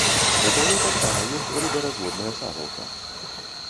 У таго таксама ёсць рыбаразводная сажалка.